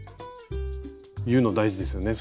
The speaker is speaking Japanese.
言うの大事ですよね